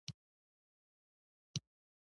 د تعمیراتي لرګیو واردات څومره دي؟